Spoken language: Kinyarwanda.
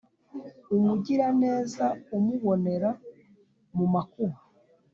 umugiraneza umubonera mu makuba